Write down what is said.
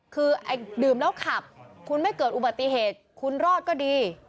คือดื่มแล้วขับคุณไม่เกิดอุบัติเหตุคุณรอดก็ดี